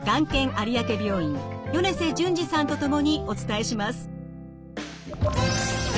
有明病院米瀬淳二さんと共にお伝えします。